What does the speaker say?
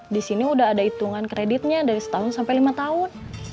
di sini udah ada hitungan kreditnya dari setahun sampai lima tahun